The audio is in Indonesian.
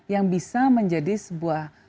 yang bisa menjadi sebuah